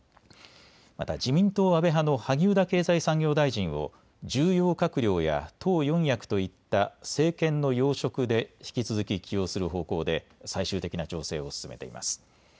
また自民党安倍派の萩生田経済産業大臣を重要閣僚や党４役といった政権の要職で引き続き起用する方向で最終的な調整を進めています。